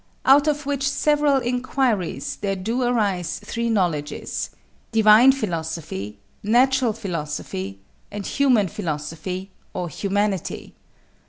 Out of which several inquiries there do arise three knowledges: divine philosophy, natural philosophy, and human philosophy or humanity.